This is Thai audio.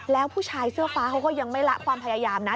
แล้วผู้ชายเสื้อฟ้าเขาก็ยังไม่ละความพยายามนะ